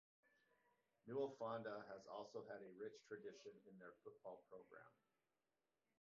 Newell-Fonda has also had a rich tradition in their football program.